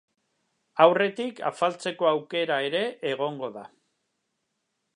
Aurretik afaltzeko aukera ere egongo da.